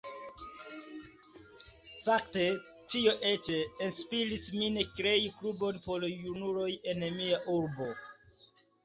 Fakte tio eĉ inspiris min krei klubon por junuloj en mia urbo.